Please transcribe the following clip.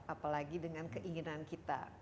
apalagi dengan keinginan kita